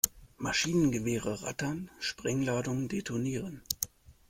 Maschinengewehre rattern, Sprengladungen detonieren.